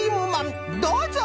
どうぞ！